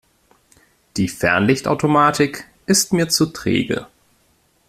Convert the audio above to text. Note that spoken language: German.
Die Fernlichtautomatik ist mir zu träge.